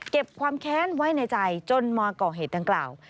เก็บความแค้นไว้ในใจจนมอเกาะเหตุกล่าว